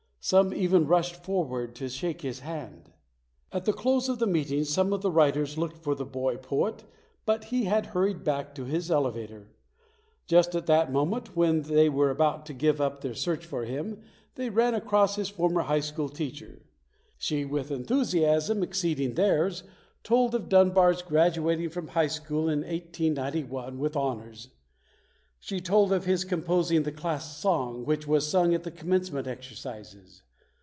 Some even rushed forward to shake his hand. At the close of the meeting some of the writers looked for the boy poet but he had hurried back to his elevator. Just at the moment when they PAUL LAURENCE DUXBAR [ 43 were about to give up their search for him they ran across his former high school teacher. She, with enthusiasm exceeding theirs, told of Dun bar's graduating from high school in 1891 with honors. She told of his composing the class song which was sung at the commencement exercises.